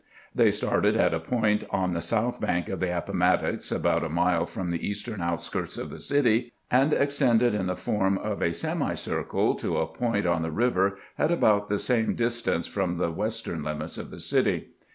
They started at a point on the south bank of the Ap pomattox, about a mile from the eastern outskirts of the city, and extended in the form of a semicircle to a point on the river at about the same distance from the western limits of the city.